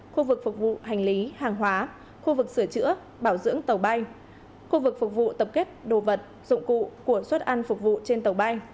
khu vực phục vụ hành lý hàng hóa khu vực sửa chữa bảo dưỡng tàu bay khu vực phục vụ tập kết đồ vật dụng cụ của suất ăn phục vụ trên tàu bay